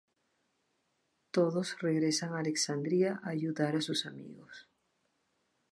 Todos regresan a Alexandria a ayudar a sus amigos.